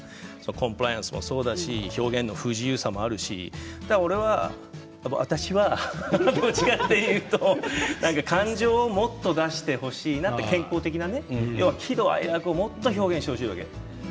コンプライアンスもそうだし表現の不自由さもあるし俺は私はどちらかというと感情をもっと出してほしいなと健康的なね、喜怒哀楽をもっと表現してほしいわけ。